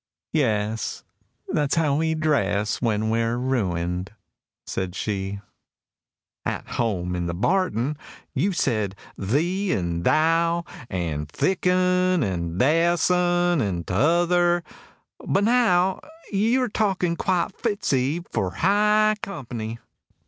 — "Yes: that's how we dress when we're ruined," said she. —"At home in the barton you said 'thee' and 'thou,' And 'thik oon,' and 'theäs oon,' and 't'other'; but now Your talking quite fits 'ee for high compa ny!"